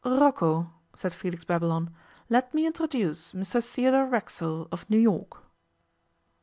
'Rocco,' said Felix Babylon, 'let me introduce Mr Theodore Racksole, of New York.